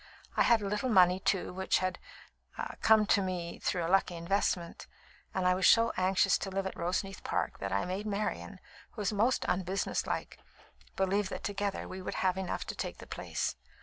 I had a little money, too, which had er come to me through a lucky investment, and I was so anxious to live at Roseneath Park that I made Marian (who is most unbusiness like) believe that together we would have enough to take the place.